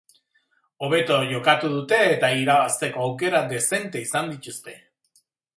Hobeto jokatu dute eta irabazteko aukera dezente izan dituzte.